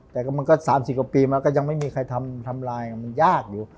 แต่มันก็๓๐กว่าปีมันก็ยังไม่มีใครทำลายมันยากอยู่